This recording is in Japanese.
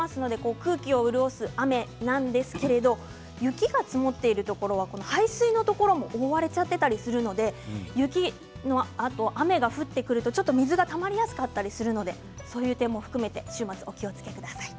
空気を潤す雨なんですけれど雪が積もっているところは排水のところに覆われていたりするので雨が降ってくるとちょっと水がたまりやすくするのでそういう点も含めてお気をつけください。